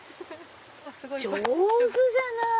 上手じゃない！